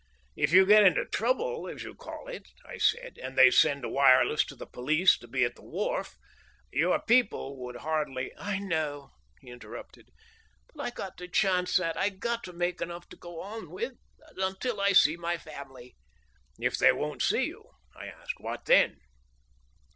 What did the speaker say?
"If you get into 'trouble,' as you call it," I said, "and they send a wireless to the police to be at the wharf, your people would hardly " "I know," he interrupted; "but I got to chance that. I got to make enough to go on with until I see my family." "If they won't see you?" I asked. "What then?"